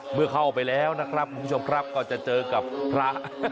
เมื่อเข้าไปแล้วนะครับคุณผู้ชมครับก็จะเจอกับพระ